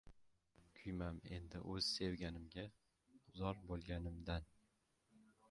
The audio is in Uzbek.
Kuymam endi o‘z sevganimga, zor bo‘lganimdan